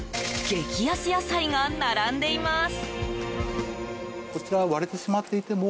激安野菜が並んでいます。